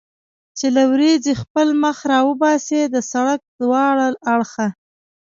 چې له ورېځې خپل مخ را وباسي، د سړک دواړه اړخه.